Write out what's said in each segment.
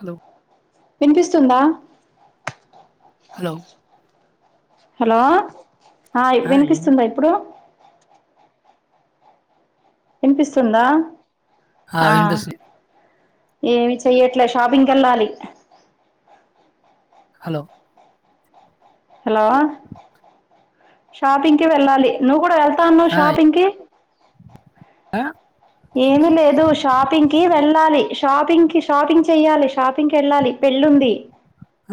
Hello [inaudible] వినిపిస్తుందా hello hello ఆ ఇప్పుడు వినిపిస్తుందా ఇప్పుడు వినిపిస్తుందా ఆ వినిపిస్తుంది ఏమి చెయ్యట్లే షాపింగ్కి వెళ్ళాలి హలో హలో షాపింగ్ కి వెళ్ళాలి నువ్వు కూడా వె స్తాన్నా ఆ, షాపింగ్ కి [inaudible] ఏమి లేదు షాపింగ్ కి వెళ్ళాలి షాపింగ్కి షాపింగ్ చెయాలి షాపింగ్కి వెళ్ళాలి పెళ్లి ఉంది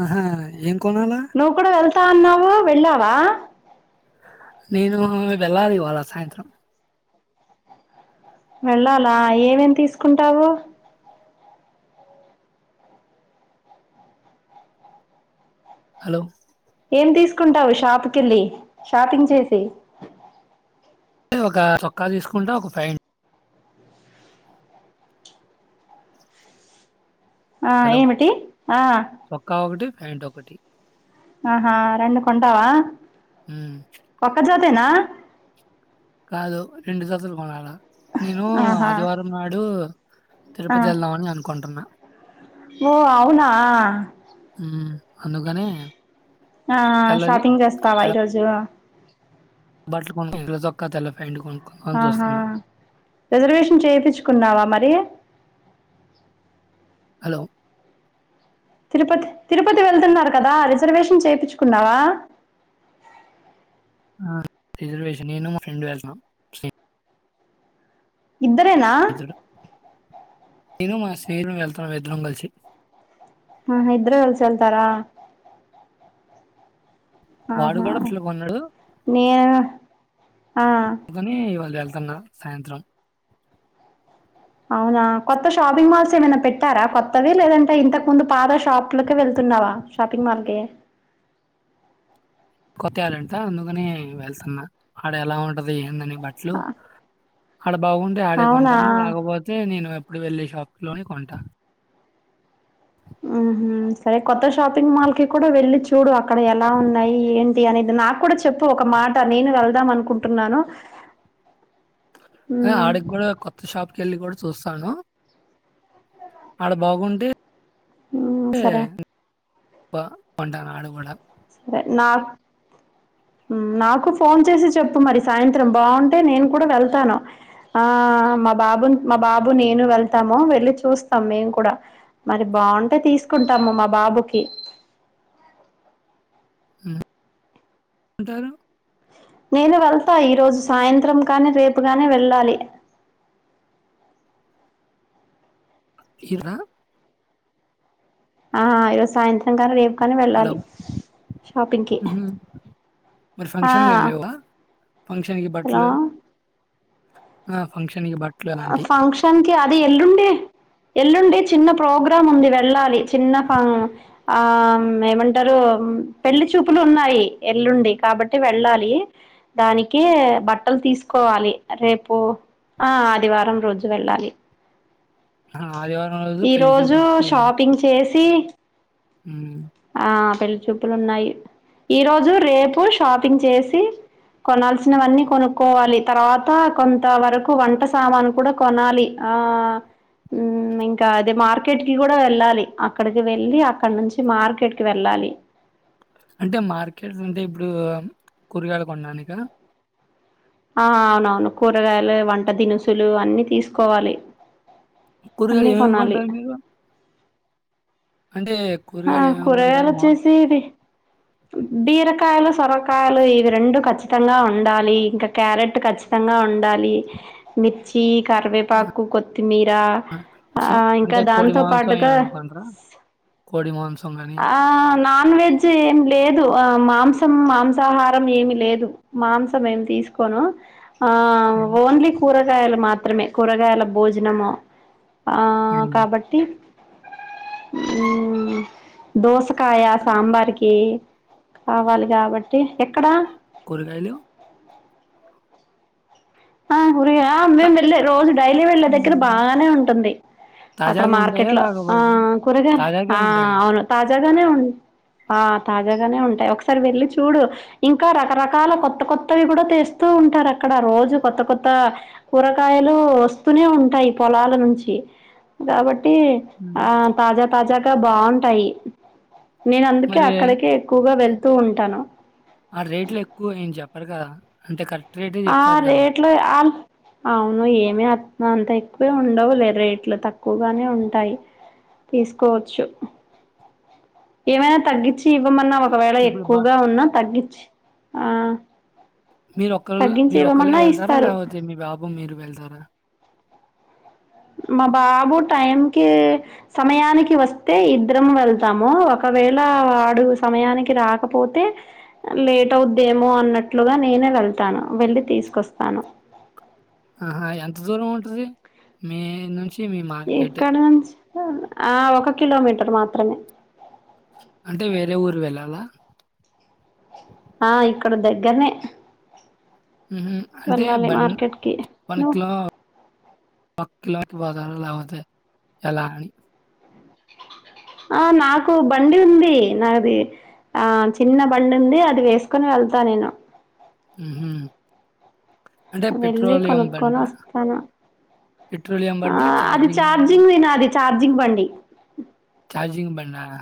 ఆహా, ఏం కొనాలా నువ్వు కూడా వెల్తా త అన్నావు వెళ్లావా నేను వెళ్ళాలి ఇవాల సాయంత్రం వెళ్ళాలా ఏమేమి తీసుకుంటావు హలో ఏం తీసుకుంటావు షాపుకిళ్ళి షాపింగ్ చేసి ఒక సొక్కా తీసుకుంటా ఒక ఫాంట్ ఆ హలో ఏమిటి ఆ చొక్కా ఒకటి ప్యాంట్ ఒకటి ఆహా రెండు కొంటావా. ఉమ్, ఒక్క జతేనా. కాదు రెండు జతలు కొనాలా. నేనూ ఆహా ఆదివారం నాడూ ఆ తిరుపతి వెళ్దామని అనుకుంటున్నా. ఓ అవునా! ఉమ్, అందుకనే ఆ తెల్లది షాపింగ్ చేస్తావా ఈరోజూ. బట్లు కొ [inaudible] తెల్ల చొక్కా తెల్ల ప్యాంటు కొం ఆహా రిజర్వేషన్ చేపిచ్చుకున్నావా మర్ రీ హలో తిరుపతి తిరుపతి వెళ్తున్నారు కదా రిజర్వేషన్ చేపిచ్చుకున్నావా. హా రిజర్వేషన్ నేను మా ఫ్రెండు వెళ్ళ్తున్నాం సేమ్ ఇద్దరేనా నేనూ మా స్నేహితు [inaudible] వెళ్ళ్తున్నాం ఇద్దరం కలిసి. ఆహా ఇద్దరూ కల్సి ఎల్తారా. వాడు ఆహా కూడా బట్టలు నేన్ అందుకనీ ఇవాళ వెల్త్ ఎళ్తున్నా సాయంత్రం అవునా కొత్త షాపింగ్ మాల్స్ ఏమైనా పెట్టారా కొత్తవి లేదంటే ఇంతకు ముందు పాద ష్ షాప్ లోకే వెళ్తున్నావా షాప్ [unintelligible] కొత్తయాలంటా అందుకనీ వెళ్తున్నా. ఆడ ఎలా ఉంటదీ ఏందని. బట్లూ ఆడ బాగుంటే ఆడే అవునా కొంటాను. రాకపోతే నేను ఎప్ ఇప్పుడు వెళ్ళే షాప్ లోనే కొంటా. ఊహూ సరే కొత్త షాపింగ్ మాల్ కి కూడా వెళ్ళి చూడు అక్కడ ఎలా ఉన్నాయి ఏంటి అనేది. నాకు కూడా చెప్పు ఒక మాట నేను వెళ్దాం అనుకుంటున్నాను. అదే ఉమ్ ఆడిక్ గూడా కొత్త షాప్కి ఎళ్లి గూడా చూస్ స్తానూ ఆడ బాగుంటే ఊ సరే బ్బా పండగ నాడు గూడా సరే నాక్. నాకు ఫోన్ చేసి చెప్పు మరి సాయంత్రం బాగుంటే నేను కూడా వెళ్తాను. ఆ మా బాబు మా బాబు నేను వెళ్తాము వెళ్ళి చూస్తాం మేము కూడా. మరి బాగుంటే తీసుకుంటాము మా బాబుకి. హు. అంటారు నేను వెళ్తా ఈరోజు సాయంత్రం కానీ రేపుగానీ వెళ్ళాలి. [unintelligible] ఆ ఇరోజ సాయంత్రం నింగా రేపు కాని హలో వెళ్ళాలి షాపింగ్కి ఉహుం. మరి ఫంక్షన్లు ఏం లేవా ఫంక్షన్ కి హలో బట్టలు ఫంక్షన్ నికి బట్టలు అలాంటివి ఫంక్షన్ అది ఎల్లుండే ఎల్లుండే చిన్న ప్రోగ్రామ్ ఉంది వెళ్ళాలి చిన్న ఏమంటారు పెళ్లి చూపులు ఉన్నాయి ఎల్లుండి కాబట్టి వెళ్ళాలి దానికి బట్టలు తీసుకోవాలి రేపు ఆ శదివారం రోజు వెళ్ళాలి ఆదివారం ఉదు పెళ్లి చూప తీ మ్మ్ ఆ పెళ్లిచూపులు ఉన్నాయి ఈరోజు రేపు షాపింగ్ చేసి కొనాల్సినవన్నీ కొనుక్కోవాలి తర్వాత కొంత వరకు వంట సామాను కూడా కొనాలి ఆ ఇంకా అదే మార్కెట్ కి కూడా వెళ్ళాలి అక్కడికి వెళ్ళి అక్కడ నుంచి మార్ ట్కి వెళ్ళాలి అంటే మార్కెట్ అంటే ఇప్పుడు కూరగాయలు కొనడానికా ఆ అవునవును కూరగాయలు వంట దినుసులు అన్ని తీసుకోవాలి కూరుగాలు అన్నీ ఏమేం కొనాలి కొంటారు మీరు అంటే ఆ కూరగాయలు ఏమేమి కూరగాయలు కొంటారు? వచ్చేసి ఇది బీరకాయలు సొర కాయలు ఇవి రెండు కాచి తంగా ఉండాలి ఇంకా క్యారెట్ కచ్చితంగా ఉండాలి మిర్చి కరివేపాకు కొత్తి మీరా ఆ మాంసం ఇంకా అంటే కోడి దాంతో మాంసం పాటుగా ఏమైనా కొంటారా? కోడి మాంసం గాని ఆ నాన్ వెజ్ ఏం లేదు ఆ మాంసం మాంసాహారం ఏమి లేదు మాంసం ఏమి తీసుకోను ఆ హ్మ్. ఓన్లీ కూర కూరగాయలు మాత్రమే కూరగాయల భోజనము ఆ హ్మ్. కాబట్టి మ్మ్ దోస కాయా సాంబార్ కి కావాలి గాబట్టి కూరుగాయలు హా కూరగాయ త మేము వెళ్ళే రోజు డైలీ వెళ్ళే దగ్గర హ్మ్. బాగానే ఉంటుంది. అక్కడ తాజాగా ఉంటాయా? మార్కెట్ లో ఆ లేకపోతే కూరగాయలు తాజాగే ఆ ఉంటాయి కదా! అవును తా జాగానే ఉం ఆ తాజాగానే ఉంటాయి ఒకసారి వెళ్ళి చూడు ఇంకా రకరకాల కొత్త కొత్తవి కూడా తెస్తూ ఉంటారు. అక్కడ రోజు కొత్త కొత్త కూరగాయలు వస్తూనే ఉంటాయి పొలాల నుంచి గాబట్ టి హ్మ్. ఆ తాజా తాజాగా బాగుంటాయి నేను అందుకే మరి అక్కడికే ఎక్కువగా వెళ్తా తూ ఉంటాను ఆ రేట్లు ఎక్కువ ఏం చెప్ప పరు కదా అంటే కరెక్ట్ రేటే ఆ చెప్తారు కదా! రేట్లు ఆ అవును ఏమీ అ అంత ఎక్కువే ఉండవు లే రేట్లు తక్కువగానే ఉంటాయి తీసుకోవచ్చు ఏమైనా తగ్గిచ్చి ఇవ్వమన్నా ఒకవేళ ఇప్పుడు బ ఎక్కువగా ఉన్నా తగ్గించి ఆ మీరు ఒకరు తగ్గించి మీరు ఒక్కరే ఇవ్వమన్నా వెళ్తారా ఇస్తారు లేపోతే మీ బాబు బాబు మీరు వెళ్తారా మా బాబు టైంకి సమయానికి వస్తే ఇద్దరం వెళ్తాము ఒకవేళ వాడు సమయానికి రాకపోతే లేట్ అవుద్దేమో అన్నట్లుగా నేనే వెళ్తాను వెళ్ళి తీసుకొస్తాను ఆహా ఎంత దూరం ఉంటది మీ నుంచి ఇవి మార్కెట్ ఇక్కడ నుంచి ఆ ఒక కిలోమీటర్ మాత్రమే అంటే వేరే ఊరు వెళ్ళాలా ఆ ఇక్కడ దగ్గర్నే ఊహు అంటే బాన్ కి వన్ నువ్వు కిల ఒక కాలక్ లేపోతే వెళ్ళాలి ఆ నాకు బండి ఉంది నాది ఆ చిన్న బండి ఉంది అది వేసుకొని వెళ్తా నేను ఊహు వెళ్ళి కొనుక్కొని వస్తాను పెట్రోలియం ఆ బండా? అది ఛార్జింగ్ చార్జింగ్ నాది చార్జి చార్జింగ్ బండి చార్జింగ్ బండి ఆహా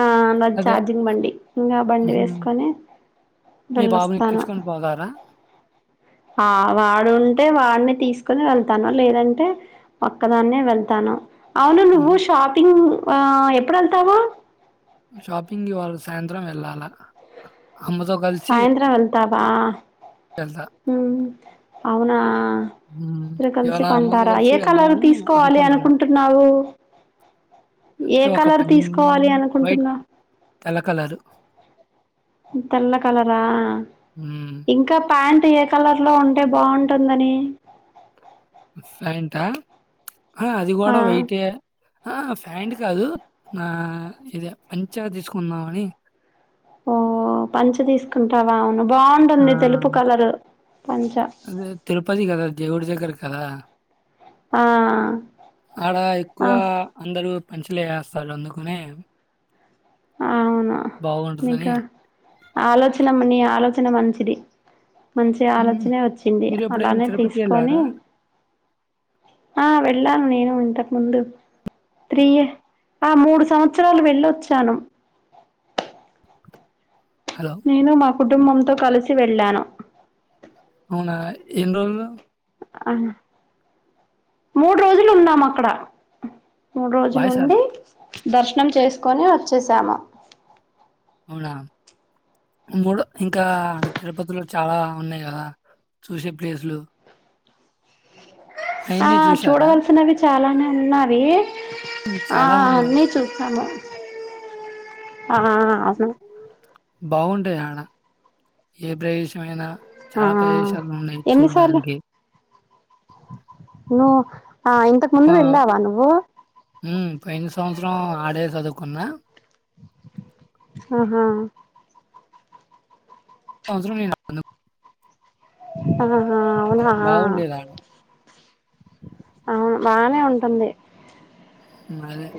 ఆనాది చార్జింగ్ బండి ఇంకా బండి హుహు. వేసుకొని మీ వెళ్లి బాబుని వస్తాను ఎక్కించుకొని పోతారా? ఆ వాడు ఉంటే వాడిని తీసుకునీ వెళ్తాను లేదంటే ఒక్కదాన్నే వెళ్తాను అవును నువ్వు హుహు. షాపింగ్ ఆ ఎప్పుడు వెళ్తావు షాపింగ్ ఇవ్వాలా సాయంత్రం వెళ్ళాలా అమ్మతో కలిసి వె త బా ఊహు అవునా హా హ్మ్. ఇద్దరు కలిసి ఇవాళ అమ్మతో కొంటారా కలిసి ఏ కలర్ వెళ్దామని తీసుకోవాలి అనుకుంటున్నాం. అనుకుంటున్నావు ఏ అంటే ఒక కలర్ పన్ తీసుకోవాలి వైట్ అనుకుంటున్నా తెల్ల కలరు. తెల్ల కలర్ రా హ్మ్. ఇంకా ప్యాన్ ట్ ఏ కలర్ లో ఉంటే బాగుంటుందని ఫ్యాంటా ఆ అది కూడా వైటే ఆ ఫ్యాంట్ కాదు ఆ ఇది పంచా తీసుకున్నామని ఓ పంచ తీసుకుంటావా అవును బాగుంటుంది ఆహ్, తెలుపు కలర్ పంచ అదే తిరుపతి గదా! దేవుడి దగ్గర కదా ఆ ఆడా ఎక్కువ ఆ అందరూ పంచలే ఏస్తారు అందుకునే అవును నీకా ఆలోచన మనీయ ఆలోచన మంచిది మంచి హ్మ్. ఆలోచనే వచ్చింది మీరెప్పుడైనా అలానే తిరుపతి తీసుకొని ఎళ్లారా? ఆ వెళ్ళాను నేను ఇంతకు ముందు త్రీ ఇయ ఆ మూడు సంవత్సరాలు వెళ్ళొచ్చాను హలో! నేను మా కుటుంబంతో కలిసి వెళ్ళాను అవునా ఎన్ని రోజులు అన్ మూడు రోజులు ఉన్నాం అక్కడ మూడు రోజులు వాయిస్ ఉండి అర్థం దర్శనం చేసుకొని వచ్చేసాము అవునా మూడు ఇంకా ఆడ తిరుపతిలో చాలా ఉన్నాయి కదా చూసే ప్లేసులు ఆ అయన్నీ చూసారా? చూడవలసినవి చాలానే ఉన్నవి ఆ చాలా ఉన్నాయి. అన్నీ చూసాము ఆ అసలు బాగుంటాయి ఆడ ఏ ప్రదేశమైనా ఆ చాలా ప్రదేశాలు ఉన్నాయి చూడడానికి ను ఆ ఉమ్ పోయిన సంవత్సరం ఆడే సదువు కున్నా ఆహా సంవత్సరం [unintelligible] ఆ బాగుండేది ఆడ అవును బానే ఉంటుంది హ్మ్. అదే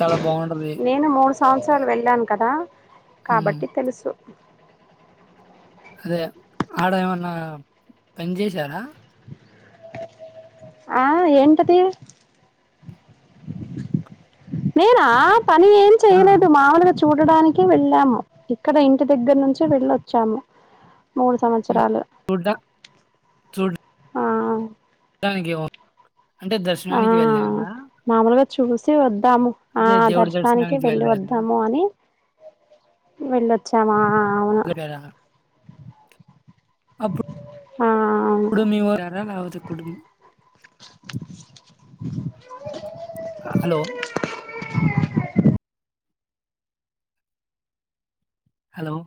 చాలా బావుంటది. నేను మూడు సంవత్సరాలు వెళ్ళాను కదా హ్మ్. కాబట్టి తెలుసు [inaudible] అదే ఆడ ఏమన్నా పని చేసారా ఆ ఏంట్ అది నేనా పని ఏం ఆ! చేయలేదు మాముూలుగా చు చూడడానికి వెళ్ళాము ఇక్కడ ఇంటి దగ్గర నుంచి వెళ్ళొచ్చాము మూడు సంవత్సరాలు చూడ చూడ్ ఆ డానికి ఏం ఉ అంటే దర్శనానికి వెళ్ళారా చూసే వద్ దాము ఆ అదే దేవుడి దర్శనానికి వెళ్ళి వెళ్ళారా? వద్దాము అని వెళ్ళిొచ్చామా [unintelligible] ఆ అవును అప్పుడ్ మేము ఎర వత కుడుబ [unintelligible] హలో [inaudible] హలో